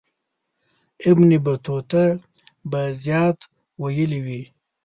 ابن بطوطه به زیات ویلي وي.